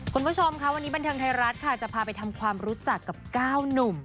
คุณผู้ชมค่ะวันนี้บันเทิงไทยรัฐค่ะจะพาไปทำความรู้จักกับ๙หนุ่ม